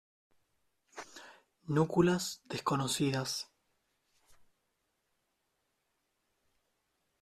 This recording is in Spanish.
Núculas desconocidas.